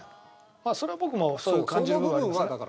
まあそれは僕もそう感じる部分はありますね。